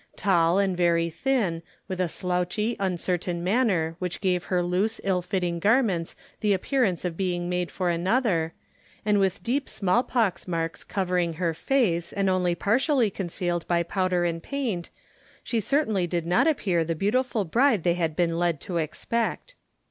Tall and very thin, with a slouchy uncertain manner which gave her loose ill fitting garments the appearance of being made for another, and with deep smallpox marks covering her face, and only partially concealed by powder and paint, she certainly did not appear the beautiful bride they had been led to expect.